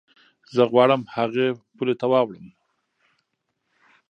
زه غواړم هغې پولې ته واوړم.